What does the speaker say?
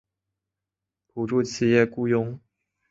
补助企业雇用